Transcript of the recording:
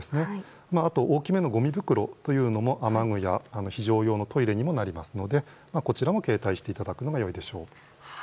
あと大きめのごみ袋というのも雨具や非常用のトイレにもなりますのでこちらも携帯していただくのが良いでしょう。